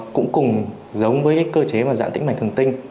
cũng giống với cơ chế dãn tĩnh mạch thường tinh